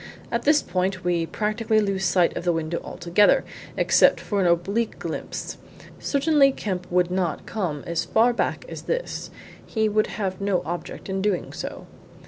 "At this point we practically lose sight of the window altogether, except for an oblique glimpse. Certainly Kemp would not come as far back as this he would have no object in doing so."